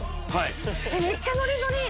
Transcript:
めっちゃノリノリ。